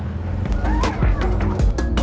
biaya perjalanan tuk tuk sedikit lebih murah dibanding remok